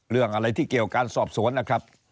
เรื่องอะไรที่เกี่ยวการสอบสวนนะครับ